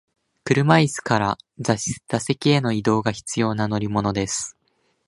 車椅子から座席への移動が必要な乗り物です。